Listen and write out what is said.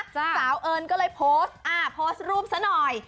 สาวเอิญก็เลยโพสต์อ่าโพสต์โพสต์รูปซะหน่อย